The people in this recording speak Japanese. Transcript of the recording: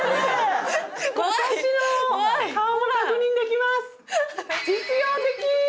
顔が確認できます。